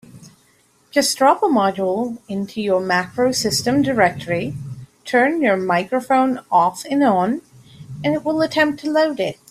Just drop a module into your MacroSystem directory, turn your microphone off and on, and it will attempt to load it.